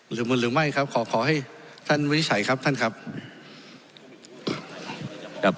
หรือมึงหรือไม่ขอขอให้ท่านวินิจัยครับท่านครับ